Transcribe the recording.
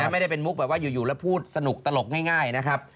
ไม่ได้เป็นมุกแบบว่าอยู่แล้วพูดสนุกตลกง่ายนะครับ